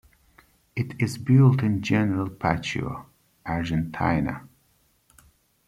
It is built in General Pacheco, Argentina.